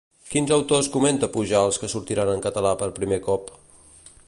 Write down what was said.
Quins autors comenta Pujals que sortiran en català per primer cop?